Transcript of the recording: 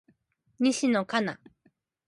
西野カナ